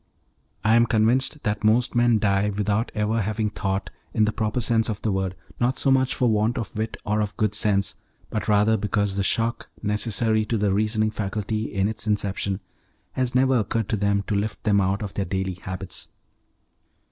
I am convinced that most men die without ever having thought, in the proper sense of the word, not so much for want of wit or of good sense, but rather because the shock necessary to the reasoning faculty in its inception has never occurred to them to lift them out of their daily habits.